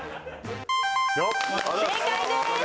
正解です！